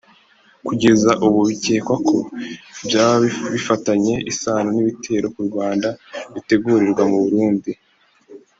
kugeza ubu bikekwa ko byaba bifitanye isano n’ibitero ku Rwanda bitegurirwa mu Burundi